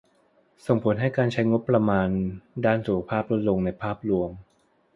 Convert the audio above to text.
ส่งผลให้การใช้งบประมาณด้านสุขภาพลดลงในภาพรวม